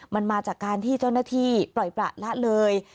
มันมาจากการที่เจ้าหน้าที่ปล่อยประละเลย